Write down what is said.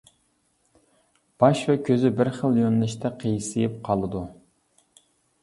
باش ۋە كۆزى بىر خىل يۆنىلىشتە قىيسىيىپ قالىدۇ.